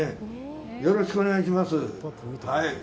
よろしくお願いします。